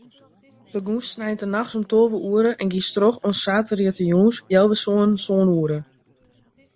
Begûnst sneintenachts om tolve oere en giest troch oant saterdeitejûns healwei sânen, sân oere.